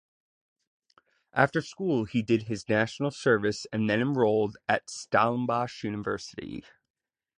After school he did his national service and then enrolled at Stellenbosch University.